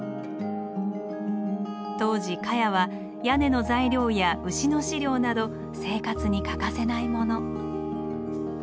当時カヤは屋根の材料や牛の飼料など生活に欠かせないもの。